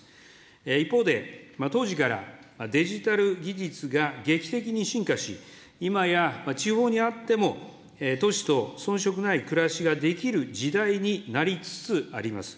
一方で当時から、デジタル技術が劇的に進化し、今や、地方にあっても、都市とそんしょくない暮らしができる時代になりつつあります。